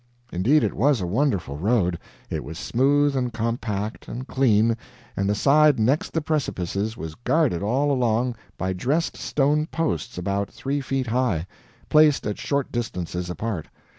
Indeed it was a wonderful road. It was smooth, and compact, and clean, and the side next the precipices was guarded all along by dressed stone posts about three feet high, placed at short distances apart.